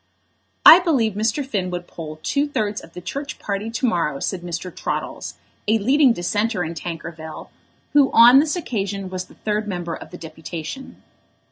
"I believe Mr. Finn would poll two thirds of the Church party to morrow," said Mr. Troddles, a leading dissenter in Tankerville, who on this occasion was the third member of the deputation.